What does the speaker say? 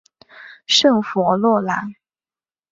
圣弗洛兰。